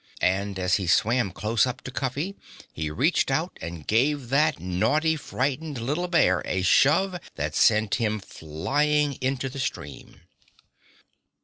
And as he swam close up to Cuffy he reached out and gave that naughty, frightened little bear a shove that sent him flying into the stream.